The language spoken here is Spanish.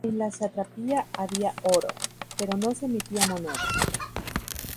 En la satrapía había oro, pero no se emitía moneda.